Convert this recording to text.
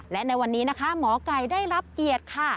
และในวันนี้นะคะหมอไก่ได้รับเกียรติค่ะ